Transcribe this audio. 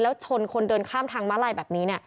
แล้วชนคนเดินข้ามทางม้าลายแบบนี้